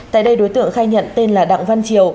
tại đây đối tượng khai nhận tên là đặng văn triều